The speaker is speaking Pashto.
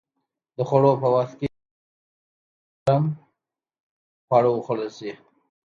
د خوړو په وخت کې لومړی باید نرم خواړه وخوړل شي.